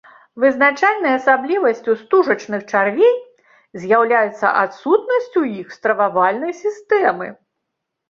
Вызначальнай асаблівасцю стужачных чарвей з'яўляецца адсутнасць у іх стрававальнай сістэмы.